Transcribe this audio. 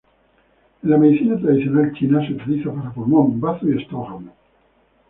En la Medicina tradicional china se utiliza para pulmón, bazo y estómago.